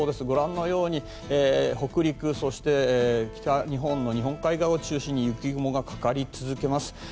ご覧のように北陸、そして北日本の日本海側を中心に雪雲がかかり続けます。